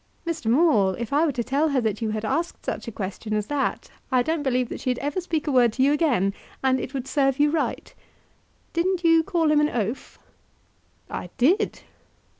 "Mr. Maule, if I were to tell her that you had asked such a question as that I don't believe that she'd ever speak a word to you again; and it would serve you right. Didn't you call him an oaf?" "I did."